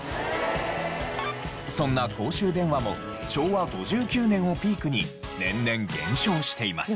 そんな公衆電話も昭和５９年をピークに年々減少しています。